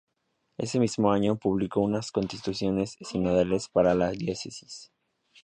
Ese mismo año publicó unas constituciones sinodales para la diócesis.